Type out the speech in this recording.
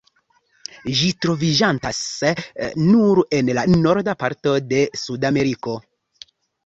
Ĝi troviĝantas nur en la norda parto de Sudameriko.